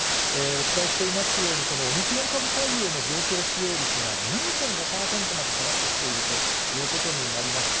お伝えしていますように、このオミクロン株対応の病床使用率が２．５％まで下がってきているということになります。